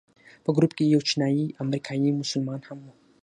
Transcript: په ګروپ کې یو چینایي امریکایي مسلمان هم و.